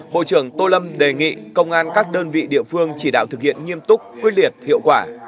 bộ trưởng tô lâm đề nghị công an các đơn vị địa phương chỉ đạo thực hiện nghiêm túc quyết liệt hiệu quả